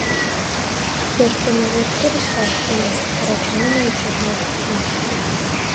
Ձեռքերն ու ոտքերը սառչում են, առաջանում է ուշագնացություն։